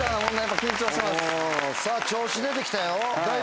さぁ調子出てきたよ。